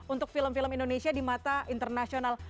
untuk film film indonesia di mata internasional